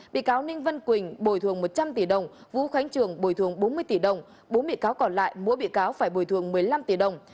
bị cáo ninh văn quỳnh bồi thường một trăm linh tỷ đồng vũ khánh trường bồi thường bốn mươi tỷ đồng bốn bị cáo còn lại mỗi bị cáo phải bồi thường một mươi năm tỷ đồng